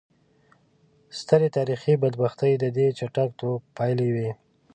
سترې تاریخي بدبختۍ د دې چټک ټوپ پایلې وې.